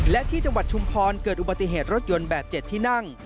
และที่จังหวัดชุมพรเกิดอุบัติเหตุรถยนต์แบบ๗ที่นั่ง